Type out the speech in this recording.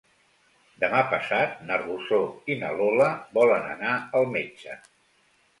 Demà passat na Rosó i na Lola volen anar al metge.